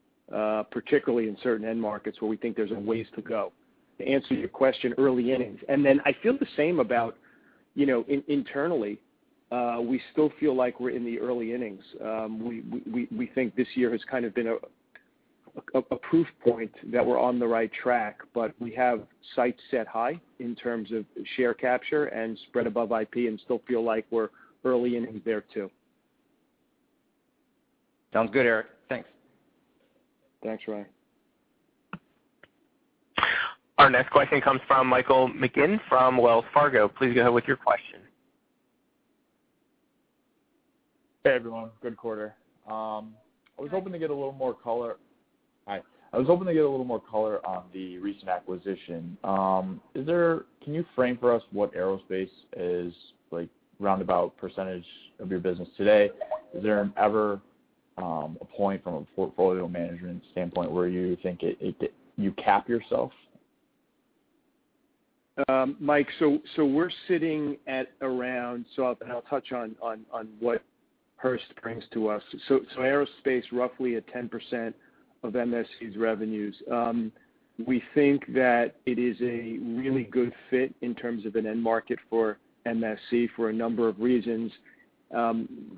particularly in certain end markets where we think there's a ways to go. To answer your question, early innings. I feel the same about internally. We still feel like we're in the early innings. We think this year has kind of been a proof point that we're on the right track, but we have sights set high in terms of share capture and spread above IP, and still feel like we're early innings there too. Sounds good, Erik. Thanks. Thanks, Ryan. Our next question comes from Michael McGinn from Wells Fargo. Please go ahead with your question. Hey, everyone. Good quarter. Hi. I was hoping to get a little more color on the recent acquisition. Can you frame for us what aerospace is like roundabout percentage of your business today? Is there ever a point from a portfolio management standpoint where you think you cap yourself? Mike, I'll touch on what Hurst brings to us. Aerospace roughly at 10% of MSC's revenues. We think that it is a really good fit in terms of an end market for MSC for a number of reasons.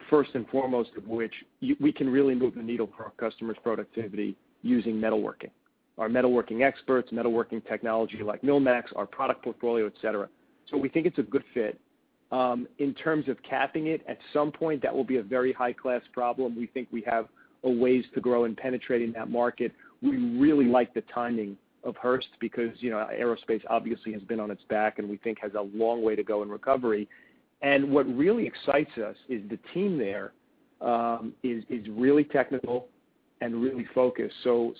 First and foremost of which, we can really move the needle for our customers' productivity using metalworking. Our metalworking experts, metalworking technology like MillMax, our product portfolio, et cetera. We think it's a good fit. In terms of capping it, at some point, that will be a very high-class problem. We think we have a ways to grow in penetrating that market. We really like the timing of Hurst because aerospace obviously has been on its back and we think has a long way to go in recovery. What really excites us is the team there is really technical and really focused. So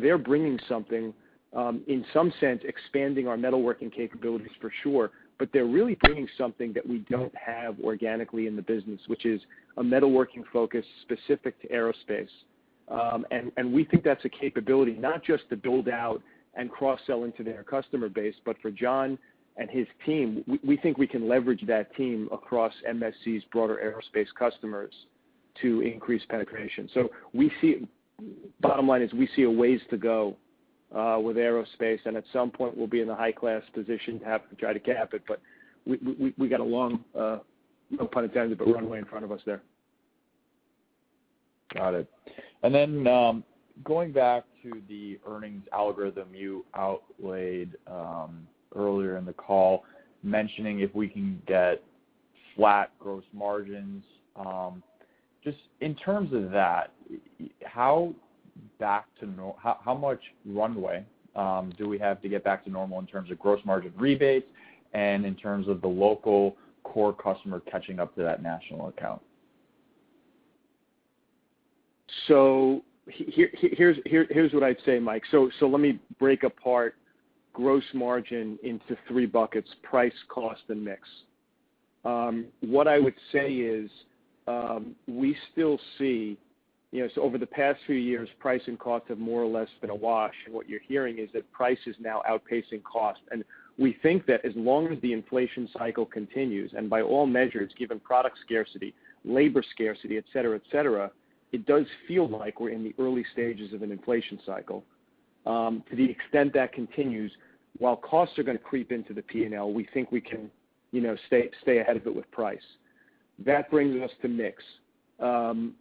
they're bringing something, in some sense, expanding our metalworking capabilities for sure, but they're really bringing something that we don't have organically in the business, which is a metalworking focus specific to aerospace. We think that's a capability not just to build out and cross-sell into their customer base, but for John and his team. We think we can leverage that team across MSC's broader aerospace customers to increase penetration. Bottom line is we see a ways to go with aerospace, and at some point we'll be in a high-class position to have to try to cap it. We got a long runway in front of us there. Got it. Going back to the earnings algorithm you outlaid earlier in the call, mentioning if we can get flat gross margins. Just in terms of that, how much one way do we have to get back to normal in terms of gross margin rebates and in terms of the local core customer catching up to that national account? Here's what I'd say, Mike. Let me break apart gross margin into three buckets: price, cost, and mix. What I would say is, over the past few years, price and cost have more or less been a wash. What you're hearing is that price is now outpacing cost. We think that as long as the inflation cycle continues, and by all measures, given product scarcity, labor scarcity, et cetera. It does feel like we're in the early stages of an inflation cycle. To the extent that continues, while costs are going to creep into the P&L, we think we can stay ahead of it with price. That brings us to mix. You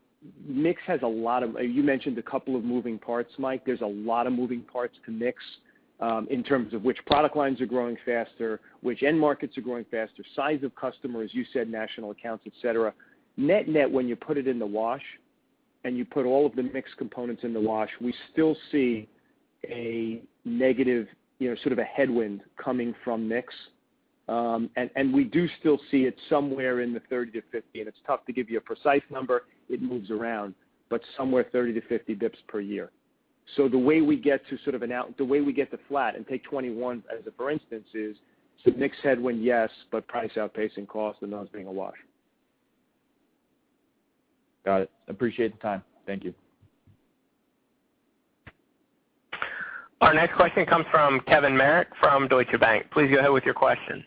mentioned a couple of moving parts, Mike. There's a lot of moving parts to mix, in terms of which product lines are growing faster, which end markets are growing faster, size of customer, as you said, national accounts, et cetera. Net-net, when you put it in the wash and you put all of the mix components in the wash, we still see a negative sort of a headwind coming from mix. We do still see it somewhere in the 30-50 basis points, and it's tough to give you a precise number. It moves around, somewhere 30-50 basis points per year. The way we get to flat and take 2021 as a for instance is, mix headwind, yes, price outpacing cost and those being awash. Got it. Appreciate the time. Thank you. Our next question comes from Kevin Marek from Deutsche Bank. Please go ahead with your question.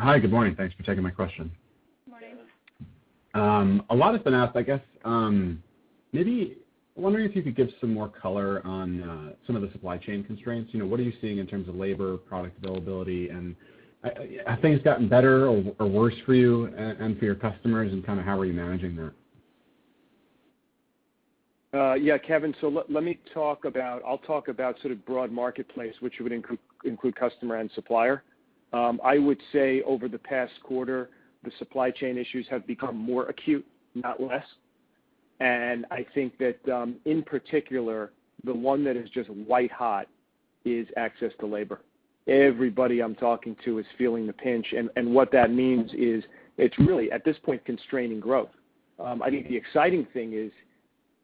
Hi, good morning. Thanks for taking my question. A lot has been up, I guess, maybe wondering if you could give some more color on some of the supply chain constraints. What are you seeing in terms of labor, product availability, and have things gotten better or worse for you and for your customers, and how are you managing that? Yeah, Kevin, I'll talk about sort of broad marketplace, which would include customer and supplier. I would say over the past quarter, the supply chain issues have become more acute, not less. I think that in particular, the one that is just white hot is access to labor. Everybody I'm talking to is feeling the pinch, and what that means is it's really, at this point, constraining growth. I think the exciting thing is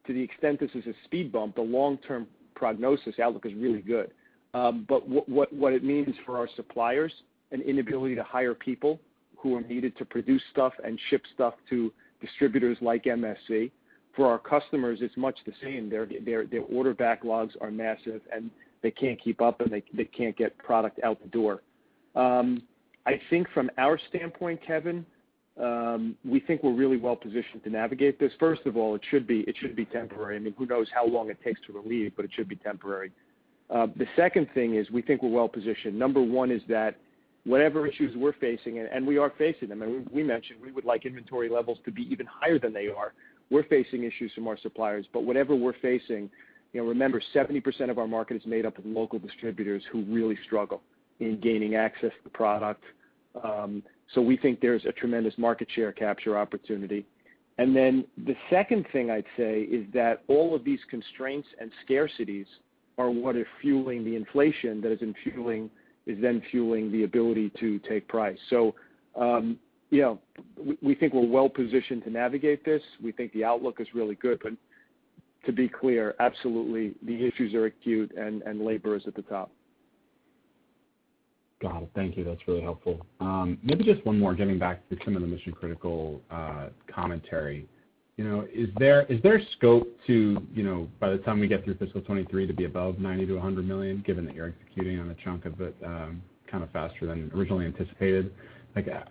to the extent this is a speed bump, the long-term prognosis outlook is really good. What it means for our suppliers, an inability to hire people who are needed to produce stuff and ship stuff to distributors like MSC. For our customers, it's much the same. Their order backlogs are massive, and they can't keep up, and they can't get product out the door. I think from our standpoint, Kevin, we think we're really well-positioned to navigate this. First of all, it should be temporary. Who knows how long it takes to relieve, but it should be temporary. The second thing is we think we're well-positioned. Number one is that whatever issues we're facing, we are facing them, we mentioned we would like inventory levels to be even higher than they are. We're facing issues from our suppliers, whatever we're facing, remember 70% of our market is made up of local distributors who really struggle in gaining access to product. We think there's a tremendous market share capture opportunity. The second thing I'd say is that all of these constraints and scarcities are what is fueling the inflation, that is then fueling the ability to take price. We think we're well-positioned to navigate this. We think the outlook is really good. To be clear, absolutely, the issues are acute and labor is at the top. Got it. Thank you. That's really helpful. Maybe just one more getting back to some of the Mission Critical commentary. Is there a scope to, by the time we get through fiscal 2023, to be above $90 million-$100 million, given that you're executing on a chunk of it faster than originally anticipated?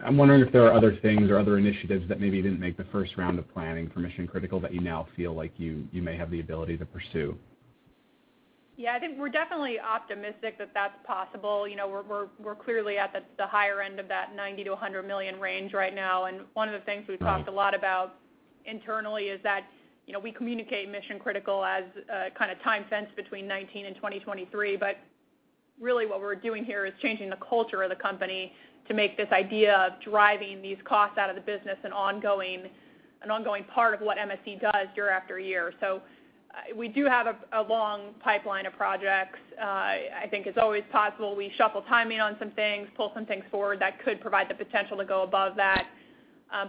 I'm wondering if there are other things or other initiatives that maybe didn't make the first round of planning for Mission Critical that you now feel like you may have the ability to pursue. Yeah, I think we're definitely optimistic that that's possible. We're clearly at the higher end of that $90 million-$100 million range right now, and one of the things we've talked a lot about internally is that we communicate Mission Critical as a time sense between 2019 and 2023. Really what we're doing here is changing the culture of the company to make this idea of driving these costs out of the business an ongoing part of what MSC does year after year. We do have a long pipeline of projects. I think it's always possible we shuffle timing on some things, pull some things forward that could provide the potential to go above that.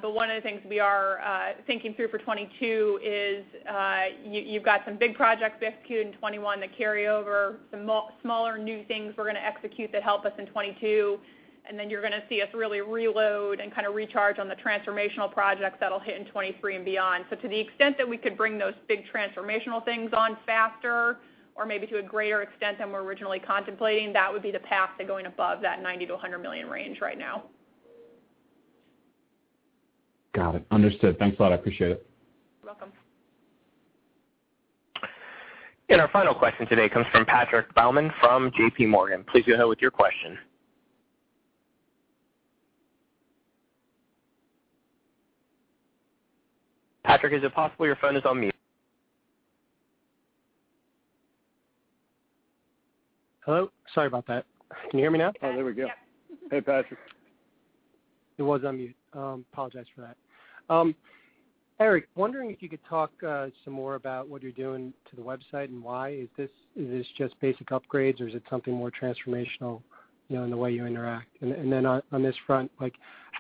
One of the things we are thinking through for 2022 is you've got some big projects executed in 2021 to carry over, some smaller new things we're going to execute that help us in 2022, and then you're going to see us really reload and recharge on the transformational projects that'll hit in 2023 and beyond. To the extent that we could bring those big transformational things on faster or maybe to a greater extent than we're originally contemplating, that would be the path to going above that $90 million-$100 million range right now. Got it. Understood. Thanks a lot. I appreciate it. You're welcome. Our final question today comes from Patrick Baumann from JPMorgan. Please go ahead with your question. Patrick, is it possible your phone is on mute? Hello, sorry about that. Can you hear me now? Oh, there we go. Hey, Patrick. It was on mute. Apologize for that. Erik, wondering if you could talk some more about what you're doing to the website and why. Is this just basic upgrades or is it something more transformational in the way you interact? On this front,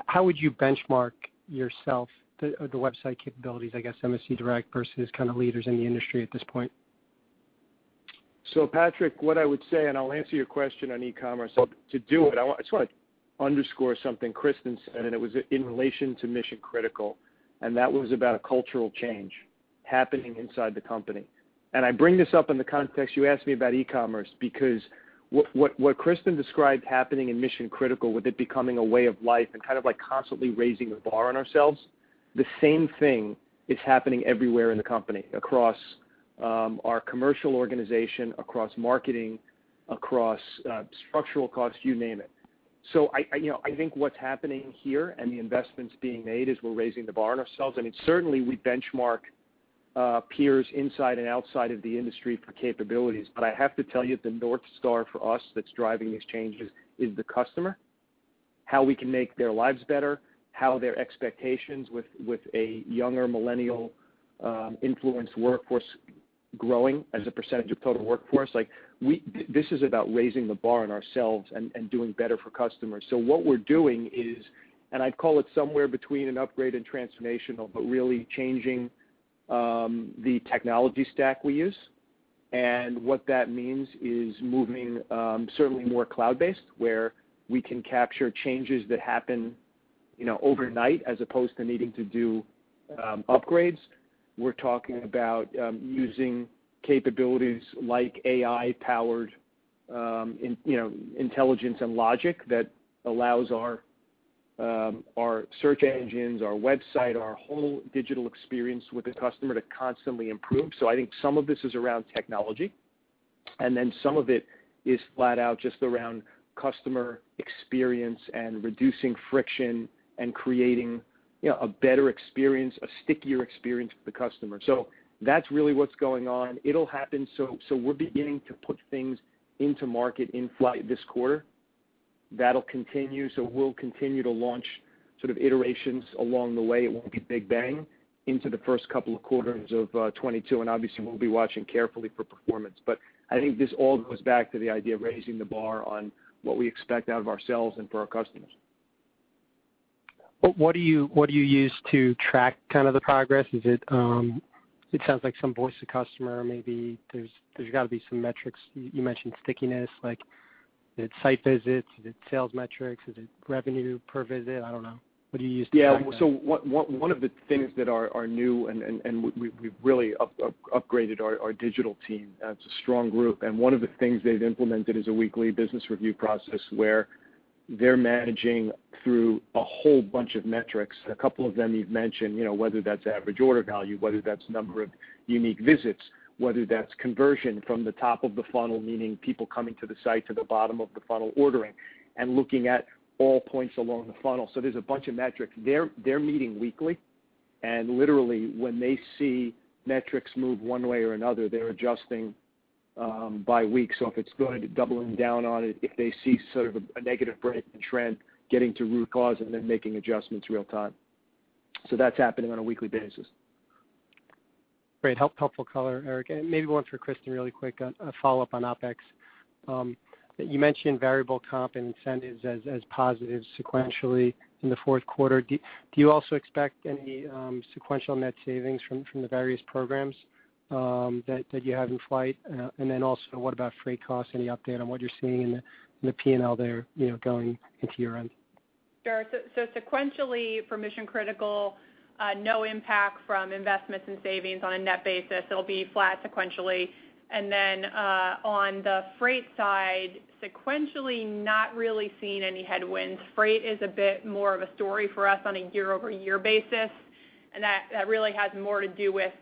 how would you benchmark yourself, the website capabilities, I guess, MSC Direct versus kind of leaders in the industry at this point? Patrick, what I would say, and I'll answer your question on e-commerce. To do it, I just want to underscore something Kristen said, and it was in relation to Mission Critical, and that was about cultural change happening inside the company. I bring this up in the context, you asked me about e-commerce, because what Kristen described happening in Mission Critical, with it becoming a way of life and constantly raising the bar on ourselves, the same thing is happening everywhere in the company, across our commercial organization, across marketing, across structural costs, you name it. I think what's happening here and the investments being made is we're raising the bar on ourselves. Certainly, we benchmark peers inside and outside of the industry for capabilities. I have to tell you, the north star for us that's driving these changes is the customer, how we can make their lives better, how their expectations with a younger millennial influenced workforce growing as a percentage of total workforce. This is about raising the bar on ourselves and doing better for customers. What we're doing is, and I'd call it somewhere between an upgrade and transformational, but really changing the technology stack we use. What that means is moving certainly more cloud-based, where we can capture changes that happen overnight as opposed to needing to do upgrades. We're talking about using capabilities like AI-powered intelligence and logic that allows our search engines, our website, our whole digital experience with the customer to constantly improve. I think some of this is around technology, and then some of it is flat out just around customer experience and reducing friction and creating a better experience, a stickier experience for the customer. That's really what's going on. It'll happen. We're beginning to put things into market in flight this quarter. That'll continue. We'll continue to launch sort of iterations along the way. It won't be big bang into the first couple of quarters of 2022, and obviously we'll be watching carefully for performance. I think this all goes back to the idea of raising the bar on what we expect out of ourselves and for our customers. What do you use to track the progress? It sounds like some voice of customer, maybe. There's got to be some metrics. You mentioned stickiness, like is it site visits? Is it sales metrics? Is it revenue per visit? I don't know. What do you use to track that? Yeah. One of the things that are new, and we've really upgraded our digital team as a strong group, and one of the things they've implemented is a weekly business review process where they're managing through a whole bunch of metrics. A couple of them you've mentioned, whether that's average order value, whether that's number of unique visits, whether that's conversion from the top of the funnel, meaning people coming to the site to the bottom of the funnel ordering, and looking at all points along the funnel. There's a bunch of metrics. They're meeting weekly, and literally, when they see metrics move one way or another, they're adjusting by week. If it's going, doubling down on it, if they see sort of a negative trend, getting to root cause and then making adjustments real time. That's happening on a weekly basis. Great. Helpful color, Erik. Maybe one for Kristen really quick, a follow-up on OpEx. You mentioned variable comp and incentives as positive sequentially in the fourth quarter. Do you also expect any sequential net savings from the various programs that you have in flight? What about freight costs? Any update on what you're seeing in the P&L there going into year-end? Sure. Sequentially for Mission Critical, no impact from investments and savings on a net basis. It'll be flat sequentially. On the freight side, sequentially not really seeing any headwinds. Freight is a bit more of a story for us on a year-over-year basis, and that really has more to do with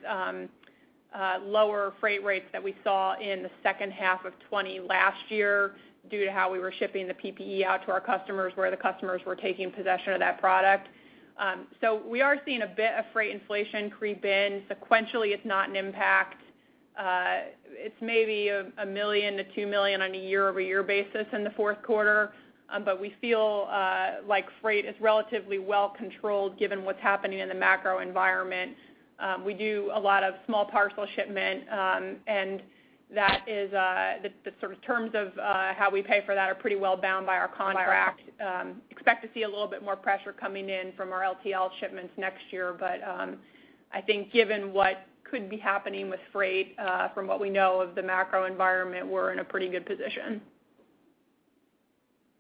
lower freight rates that we saw in the second half of 2020 last year due to how we were shipping the PPE out to our customers, where the customers were taking possession of that product. We are seeing a bit of freight inflation creep in. Sequentially, it's not an impact. It's maybe $1 million-$2 million on a year-over-year basis in the fourth quarter. We feel like freight is relatively well controlled given what's happening in the macro environment. We do a lot of small parcel shipment, and the sort of terms of how we pay for that are pretty well bound by our contracts. Expect to see a little bit more pressure coming in from our LTL shipments next year. I think given what could be happening with freight, from what we know of the macro environment, we're in a pretty good position.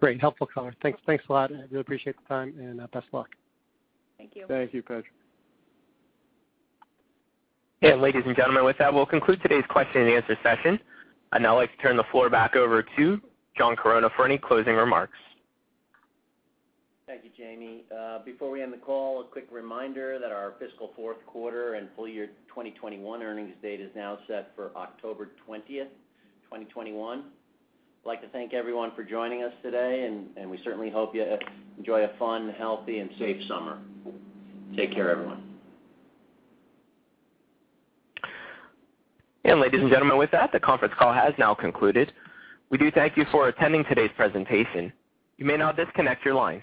Great. Helpful color. Thanks a lot. I really appreciate the time, and best of luck. Thank you. Thank you, Patrick. Yeah, ladies and gentlemen, with that, we'll conclude today's question and answer session. I'd now like to turn the floor back over to John Chironna for any closing remarks. Thank you, Jamie. Before we end the call, a quick reminder that our fiscal fourth quarter and full year 2021 earnings date is now set for October 20th, 2021. We'd like to thank everyone for joining us today, and we certainly hope you enjoy a fun, healthy, and safe summer. Take care, everyone. Ladies and gentlemen, with that, the conference call has now concluded. We do thank you for attending today's presentation. You may now disconnect your lines.